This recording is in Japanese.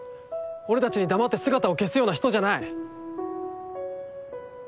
俺たちに黙って姿を消すような人じゃない！